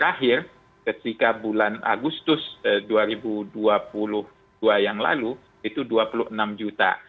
terakhir ketika bulan agustus dua ribu dua puluh dua yang lalu itu dua puluh enam juta